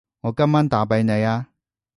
我今晚打畀你吖